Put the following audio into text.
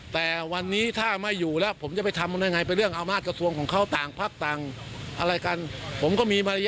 แต่วันนี้ถ้าไม่อยู่แล้วผมจะไปทำยังไงไปเรื่องอำนาจกระทรวงของเขาต่างพักต่างอะไรกันผมก็มีมารยา